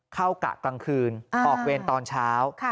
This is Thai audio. กะกลางคืนออกเวรตอนเช้า